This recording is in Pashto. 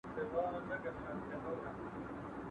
که صابون مي د تقوی راته ضمام سي